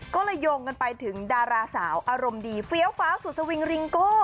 ก็เลยโยงกันไปถึงดาราสาวอารมณ์ดีเฟี้ยวฟ้าสุดสวิงริงโก้